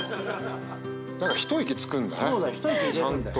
一息つくんだねちゃんと。